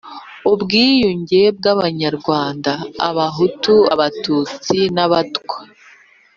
Ubwiyunge bw'Abanyarwanda, Abahutu, Abatutsi, n'Abatwa,